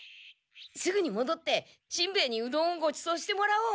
すぐにもどってしんべヱにうどんをごちそうしてもらおう。